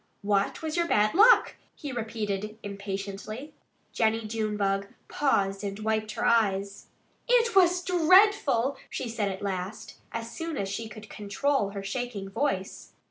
"What was your bad luck?" he repeated impatiently. Jennie Junebug paused and wiped her eyes. "It was dreadful!" she said at last, as soon as she could control her shaking voice.